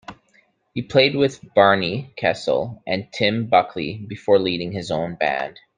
He played with Barney Kessell and Tim Buckley before leading his own band.